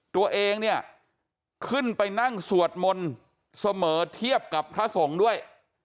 ตัวเองเนี่ยขึ้นไปนั่งสวดมนต์เสมอเทียบกับพระสงฆ์ด้วย